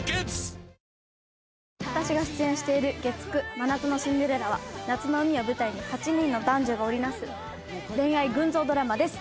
『真夏のシンデレラ』は夏の海を舞台に８人の男女が織り成す恋愛群像ドラマです。